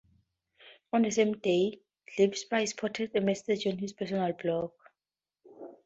On the same day, Gillespie posted a message on his personal blog.